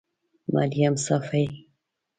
مريم صافۍ